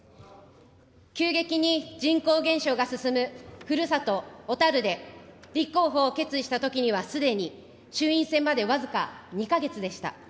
急激に人口減少が進むふるさと、小樽で、立候補を決意したときにはすでに衆院選まで僅か２か月でした。